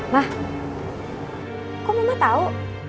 mah kok mama tau